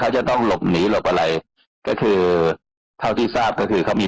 เขาจะต้องหลบหนีหลบอะไรก็คือเท่าที่ทราบก็คือเขามี